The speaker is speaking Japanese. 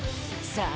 さあ。